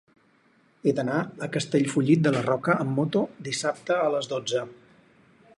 He d'anar a Castellfollit de la Roca amb moto dissabte a les dotze.